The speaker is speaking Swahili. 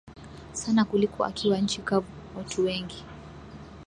sana kuliko akiwa nchi kavu Watu wengi